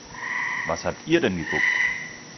Was habt ihr denn geguckt?